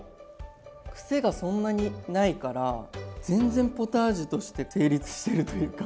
くせがそんなにないから全然ポタージュとして成立してるというか。